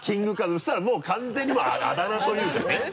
そうしたらもう完全にあだ名というかね。